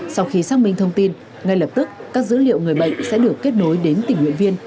sau khi xác minh thông tin ngay lập tức các dữ liệu người bệnh sẽ được kết nối đến tình nguyện viên